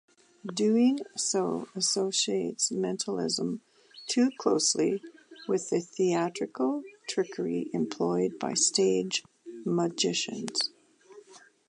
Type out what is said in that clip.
Doing so associates mentalism too closely with the theatrical trickery employed by stage magicians.